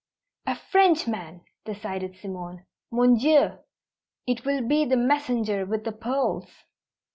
"A Frenchman!" decided Simone. "Mon Dieu, it will be the messenger with the pearls!"